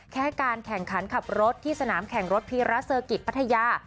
แค่การแข่งขันขับรถที่สนามแข่งรถพีรัสเซอร์กิจพัทยา